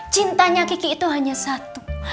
cintanya kiki itu hanya satu